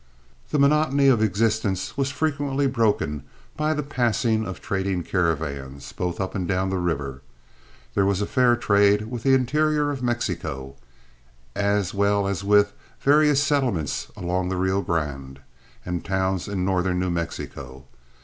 The monotony of existence was frequently broken by the passing of trading caravans, both up and down the river. There was a fair trade with the interior of Mexico, as well as in various settlements along the Rio Grande and towns in northern New Mexico.